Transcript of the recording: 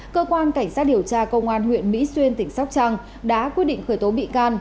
cơ quan cảnh sát điều tra công an huyện mỹ xuyên tỉnh sóc trăng đã quyết định khởi tố bị can